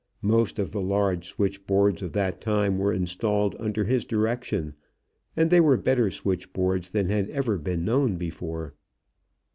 Most of the large switchboards of that time were installed under his direction, and they were better switchboards than had ever been known before.